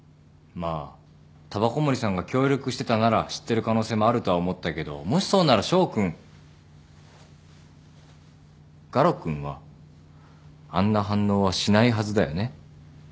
まあ煙草森さんが協力してたなら知ってる可能性もあるとは思ったけどもしそうなら翔君ガロ君はあんな反応はしないはずだよね。